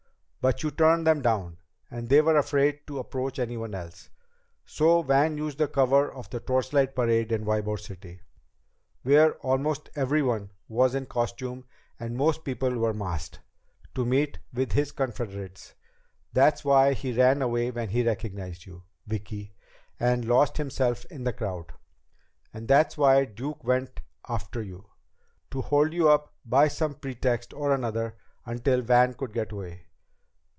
But you turned them down, and they were afraid to approach anyone else. So Van used the cover of the torchlight parade in Ybor City, where almost everyone was in costume and most people were masked, to meet with his confederates. That's why he ran away when he recognized you, Vicki, and lost himself in the crowd. And that's why Duke went after you, to hold you up by some pretext or another until Van could get away.